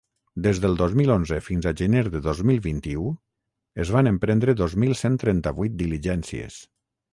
Des del dos mil onze fins a gener de dos mil vint-i-u, es van emprendre dos mil cent trenta-vuit diligències.